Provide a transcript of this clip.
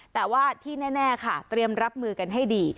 แต่ว่าที่แน่ค่ะเตรียมรับมือกันให้ดี